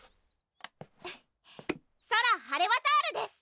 ソラ・ハレワタールです！